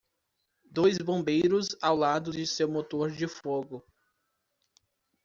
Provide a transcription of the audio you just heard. Dois bombeiros ao lado de seu motor de fogo.